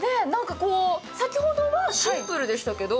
先ほどはシンプルでしたけど。